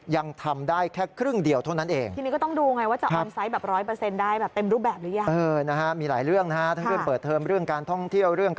ยังทำได้แค่ครึ่งเดียวเท่านั้นเอง